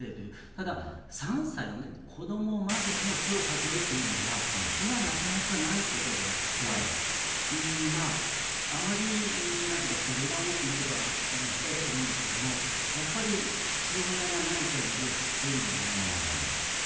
ただ、３歳の子どもまでも手をかけるというのは、これはなかなかないことであって、まあ、あまりなんて言いますか、予断をということは控えたいと思いますけれども、やっぱり父親が何か事情を知っているんじゃないかと。